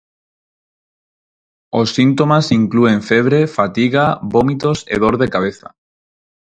Os síntomas inclúen febre, fatiga, vómitos e dor de cabeza.